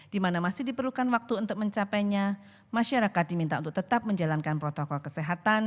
di mana masih diperlukan waktu untuk mencapainya masyarakat diminta untuk tetap menjalankan protokol kesehatan